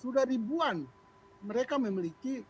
sudah ribuan mereka memiliki sertifikasi tertinggi